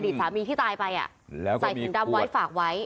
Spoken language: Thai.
อดีตสามีที่ตายไปอ่ะแล้วก็มีถ่านไว้ฝากไว้